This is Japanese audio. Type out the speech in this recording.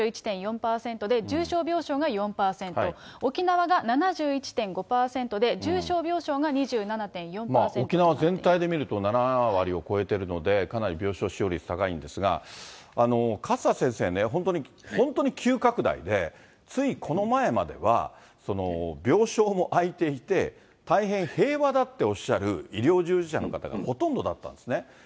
大阪府が全体で４１．４％で、重症病床が４％、沖縄が７１．５％沖縄全体で見ると７割を超えてるので、かなり病床使用率高いんですが、勝田先生ね、本当に本当に急拡大で、ついこの前までは、病床も空いていて、大変平和だっておっしゃる医療従事者の方、ほとんどだったんですね。